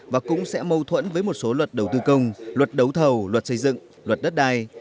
và cũng sẽ mâu thuẫn với một số luật đầu tư công luật đấu thầu luật xây dựng luật đất đai